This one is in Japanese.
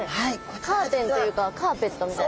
カーテンというかカーペットみたいな。